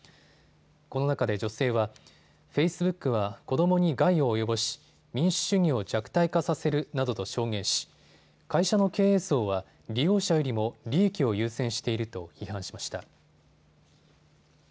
この中で女性はフェイスブックは子どもに害を及ぼし民主主義を弱体化させるなどと証言し会社の経営層は利用者よりも利益を優先していると批判しました。